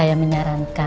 tetap mendampingi dia